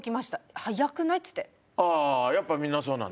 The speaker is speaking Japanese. ああやっぱりみんなそうなんだ。